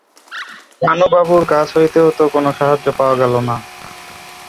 পানুবাবুর কাছ হইতেও তো কোনো সাহায্য পাওয়া গেল না।